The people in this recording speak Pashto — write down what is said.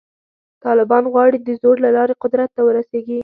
طالبان غواړي د زور له لارې قدرت ته ورسېږي.